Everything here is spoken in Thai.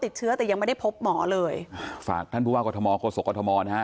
ติดเชื้อแต่ยังไม่ได้พบหมอเลยฝากท่านผู้ว่ากรทมโฆษกรทมนะฮะ